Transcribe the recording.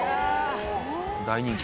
大人気。